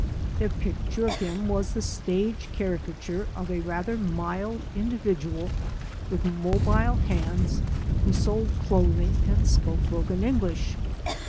Their picture of him was the stage caricature of a rather mild individual with mobile hands who sold clothing and spoke broken English.